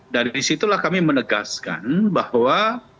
dari situlah kami menegaskan bahwa